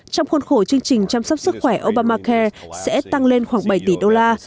trong khuôn khổ chương trình chăm sóc sức khỏe obamacare sẽ tăng lên khoảng bảy tỷ đô la